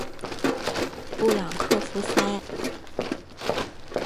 布朗克福塞。